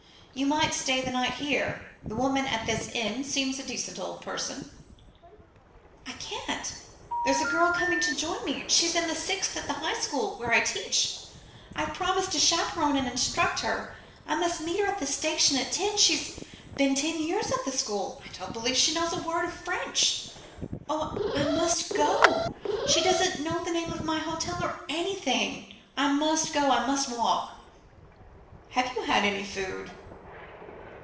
You might stay the night here. The woman at this inn seems a decent old person." "I can't. There's a girl coming to join me. She's in the sixth at the High School where I teach. I've promised to chaperon and instruct her. I must meet her at the station at ten. She's been ten years at the school. I don't believe she knows a word of French. Oh! I must go. She doesn't know the name of my hotel, or anything. I must go. I must walk." "Have you had any food?"